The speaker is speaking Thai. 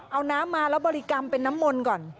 เอาน้ำมาแล้วบริกรรมเป็นน้ำมนต์ก่อน